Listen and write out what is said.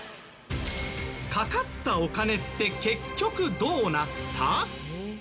かかったお金って結局、どうなった？